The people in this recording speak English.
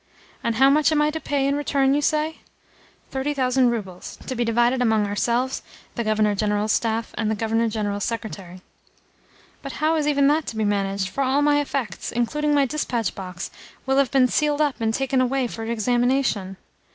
"And how much am I to pay in return, you say?" "Thirty thousand roubles, to be divided among ourselves, the Governor General's staff, and the Governor General's secretary." "But how is even that to be managed, for all my effects, including my dispatch box, will have been sealed up and taken away for examination?"